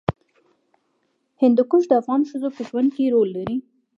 هندوکش د افغان ښځو په ژوند کې رول لري.